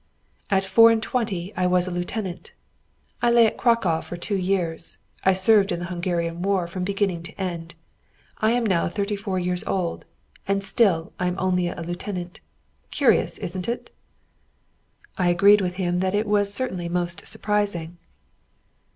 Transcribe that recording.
"At four and twenty I was a lieutenant. I lay at Cracow for two years. I served in the Hungarian war from beginning to end. I am now thirty four years old. And still I am only a lieutenant. Curious, isn't it?" I agreed with him that it was certainly most surprising.